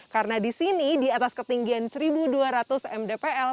karena di sini di atas ketinggian seribu dua ratus mdpl